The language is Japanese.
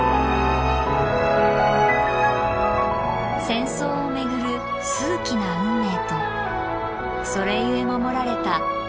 戦争を巡る数奇な運命とそれゆえ守られた豊かな緑。